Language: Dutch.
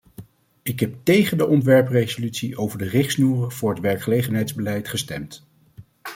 Ik heb tegen de ontwerpresolutie over de richtsnoeren voor het werkgelegenheidsbeleid gestemd.